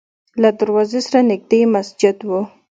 له دروازې سره نږدې یې مسجد و.